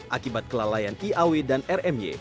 akibat kelalaian iaw dan rmy